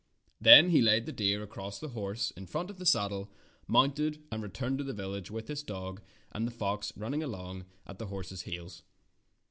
Then he laid the deer across the horse in front of the saddle, mounted, and returned to the village, with his dog and the fox run ning along at the horse's heels.